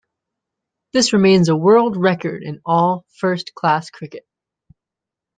This remains a world record in all first-class cricket.